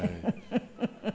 フフフフ。